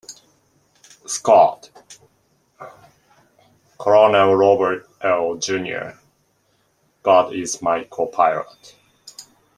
Scott, Colonel Robert L., Junior "God Is My Co-Pilot".